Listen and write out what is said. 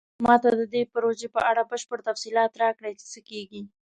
ما ته د دې پروژې په اړه بشپړ تفصیلات راکړئ چې څه کیږي